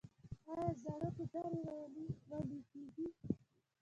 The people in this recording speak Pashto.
آیا زاړه موټرې ویلې کیږي؟